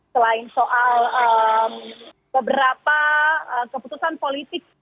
selain soal beberapa keputusan politik